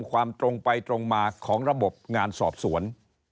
ความตรงไปตรงมาของระบบงานสอบสวน